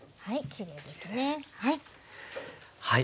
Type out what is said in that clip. きれいですね。